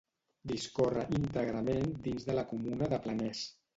Discorre íntegrament dins de la comuna de Planès.